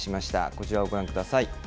こちらをご覧ください。